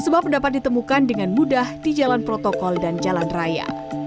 sebab dapat ditemukan dengan mudah di jalan protokol dan jalan raya